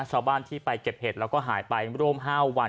ชาวบ้านที่ไปเก็บเห็ดแล้วก็หายไปร่วม๕วัน